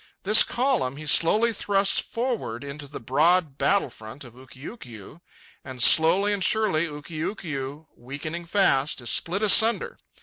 This column he slowly thrusts forward into the broad battle front of Ukiukiu, and slowly and surely Ukiukiu, weakening fast, is split asunder.